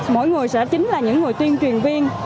mỗi người sẽ chính là những người tuyên truyền viên